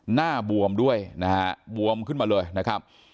บวมด้วยนะฮะบวมขึ้นมาเลยนะครับ